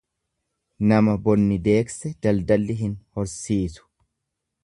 Nama bonni deegse daldalli hin horsiisu.